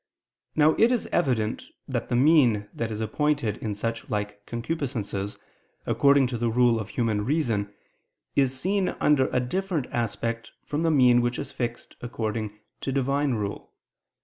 Now it is evident that the mean that is appointed in such like concupiscences according to the rule of human reason, is seen under a different aspect from the mean which is fixed according to Divine rule.